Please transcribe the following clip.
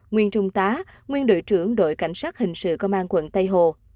nguyên trung tá nguyên đội trưởng đội cảnh sát hình sự công an quận tây hồ